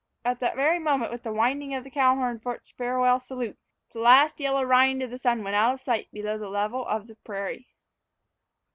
And at that very moment, with the winding of the cow horn for its farewell salute, the last yellow rind of the sun went out of sight below the level line of the prairie.